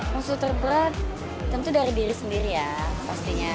maksud terberat tentu dari diri sendiri ya pastinya